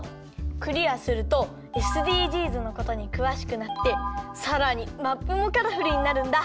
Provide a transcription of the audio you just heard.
クリアするとＳＤＧｓのことにくわしくなってさらにマップもカラフルになるんだ。